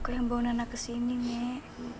aku yang bawa nana ke sini nek